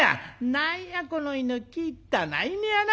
何やこの犬きったない犬やな。